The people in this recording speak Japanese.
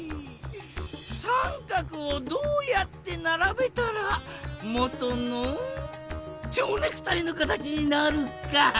三角をどうやってならべたら元のちょうネクタイのかたちになるか？